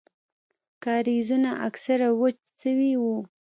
کاريزونه اکثره وچ سوي وو.